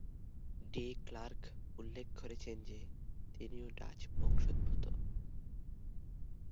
D Klerk উল্লেখ করেছেন যে তিনিও ডাচ বংশোদ্ভূত।